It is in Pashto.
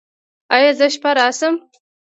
ایا زه شپه راشم؟